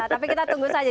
tapi kita tunggu saja